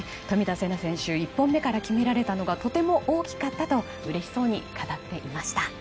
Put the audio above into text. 冨田せな選手、１本目から決められたのがとても大きかったですとうれしそうに語っていました。